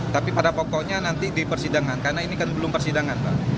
tapi pada pokoknya nanti di persidangan karena ini kan belum persidangan